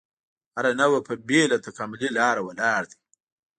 هره نوعه په بېله تکاملي لاره ولاړ دی.